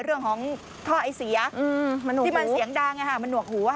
เรื่องของท่อไอเสียที่มันเสียงดังมันหวกหัว